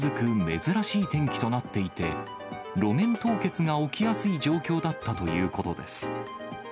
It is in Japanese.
珍しい天気となっていて、路面凍結が起きやすい状況だったということです。